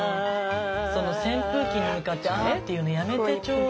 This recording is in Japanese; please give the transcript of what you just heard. その扇風機に向かってアーっていうのやめてちょうだい。